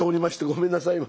ごめんなさい。